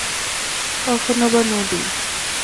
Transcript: কখনও বা নদী।